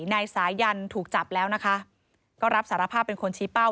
นายสายันถูกจับแล้วนะคะก็รับสารภาพเป็นคนชี้เป้า